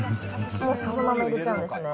そのまま入れちゃうんですね？